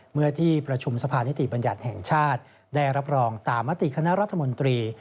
เมื่อที่ประชุมสภานิติบัญญัติแห่งชาติได้รับรองตามมติคณะรัฐมนตรี